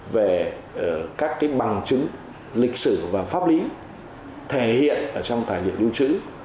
về các bằng chứng lịch sử và pháp lý thể hiện ở trong tài liệu lưu trữ